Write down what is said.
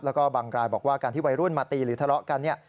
แล้วก็บางรายบอกว่าการที่วัยรุ่นมาตีหรือทะเลาะกันเนี่ย